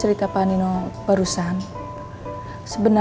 wangi ya kalau saya menanggung ini